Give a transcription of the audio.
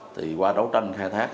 thì qua đấu tranh khai thác